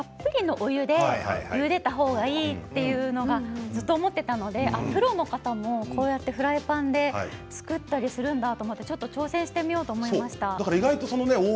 たっぷりの麺で入れた方がいいというのがずっと思っていたのでプロの方もこうやってフライパンで作ったりするんだと思って、ちょっと挑戦してみようと思いました。